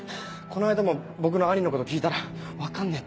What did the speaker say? この間も僕の兄のこと聞いたら「分かんね」